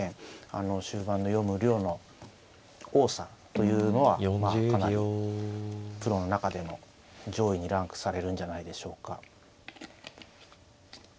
終盤の読む量の多さというのはかなりプロの中での上位にランクされるんじゃないでしょうか。